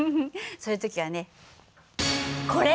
そういう時はねこれ！